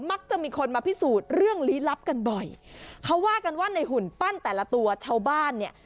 มักจะมีคนมาพิสูจน์เรื่องลี้ลับกันบ่อยเขาว่ากันว่าในหุ่นปั้นแต่ละตัวชาวบ้านเนี่ย